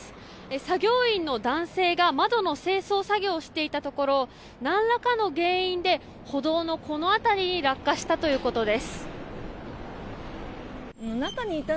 作業員の男性が窓の清掃作業をしていたところ何らかの原因で歩道のこの辺りに落下したということです。